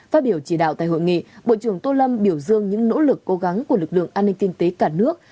phát biểu chỉ đạo tại hội nghị bộ trưởng tô lâm biểu dương những nỗ lực cố gắng của lực lượng an ninh kinh tế cả nước